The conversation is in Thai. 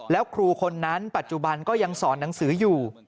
แล้วครูคนนั้นปัจจุบันก็ยังสอนหนังสืออยู่